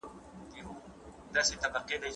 خر له باره ولوېدی، له گوزو ونه لوېدی.